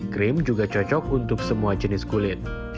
krim juga cocok untuk semua jenis kulit